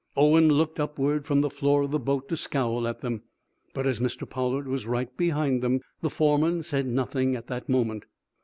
Owen looked upward, from the floor of the boat, to scowl at them, but, as Mr. Pollard was right behind them, the foreman said nothing at that moment.